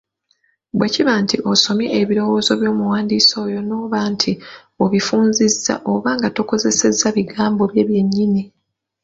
Bwe kiba nti osomye ebirowoozo by’omuwandiisi oyo n'oba nti obifunzizza oba nga tokozesezza bigambo bye byennyini.